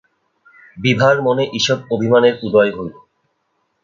বিভার মনে ঈষৎ অভিমানের উদয় হইল।